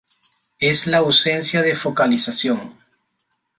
Es la ausencia de focalización.